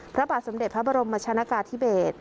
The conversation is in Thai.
พระบาทสมเด็จพระบรมชนกาธิเบศ